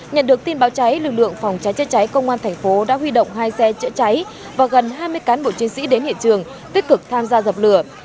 nhận được tin báo cháy lực lượng phòng cháy chữa cháy công an thành phố đã huy động hai xe chữa cháy và gần hai mươi cán bộ chiến sĩ đến hiện trường tích cực tham gia dập lửa